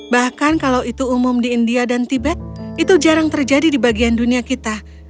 bahkan kalau itu umum di india dan tibet itu jarang terjadi di bagian dunia kita